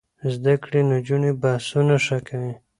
زده کړې نجونې بحثونه ښه کوي.